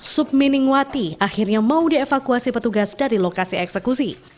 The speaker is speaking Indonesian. submining wati akhirnya mau dievakuasi petugas dari lokasi eksekusi